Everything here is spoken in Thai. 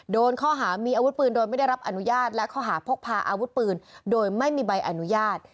โดนข้อหามีอาวุธปืนโดยไม่ได้รับอนุญาตและข้อหาพกพาอาวุธปืนโดยไม่มีใบอนุญาต